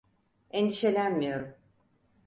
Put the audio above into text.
Endişelenmiyorum.